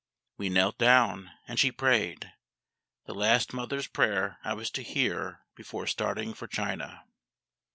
We knelt down, and she prayed the last mother's prayer I was to hear before starting for China.